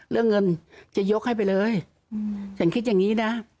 เรื่องเงินจะยกให้ไปเลยฉันคิดอย่างนี้นะ